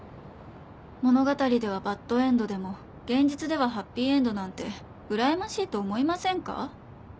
物語ではバッドエンドでも現実ではハッピーエンドなんてうらやましいと思いませんか？